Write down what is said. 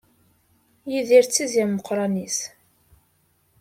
Yidir d tizzya n Meqqran-is.